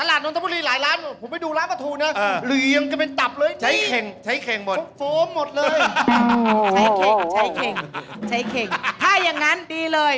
ตลาดโน้นน้ำบุรีหลายล้านผมไปดูร้านประทูนะหลียังจะเป็นตับเลยใช้เข็งใช้เข็งหมด